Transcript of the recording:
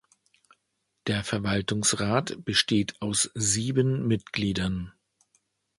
Der Verwaltungsrat besteht aus sieben Mitgliedern.